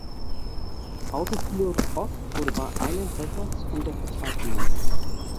Autopilot Off wurde bei Island Records unter Vertrag genommen.